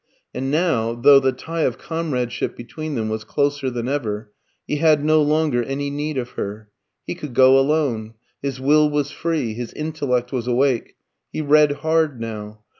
And now, though the tie of comradeship between them was closer than ever, he had no longer any need of her. He could go alone. His will was free, his intellect was awake. He read hard now.